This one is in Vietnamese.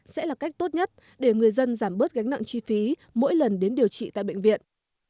sẽ là cách tốt nhất để người dân giảm bớt gánh nặng chi phí mỗi lần đến điều trị tại bệnh viện